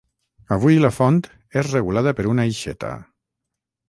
Avui la font és regulada per una aixeta.